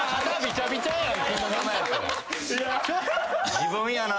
自分やな。